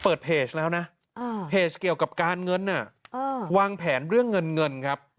เปิดเพจแล้วนะเพจเกี่ยวกับการเงินวางแผนเรื่องเงินเงินครับ